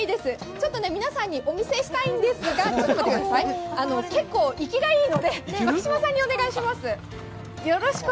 ちょっと皆さんにお見せしたいんですが結構生きがいいので牧嶋さんにお願いします。